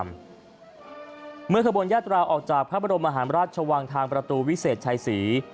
ขบวนยาตราออกจากพระบรมมหารราชวังทางประตูวิเศษชัยศรี